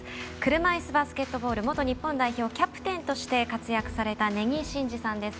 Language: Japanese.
車いすバスケットボール元日本代表キャプテンとして活躍された根木慎志さんです。